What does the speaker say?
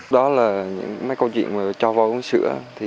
đó là mấy câu chuyện cho voi uống sữa